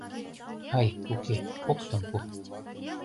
Ай, уке, коктым пу.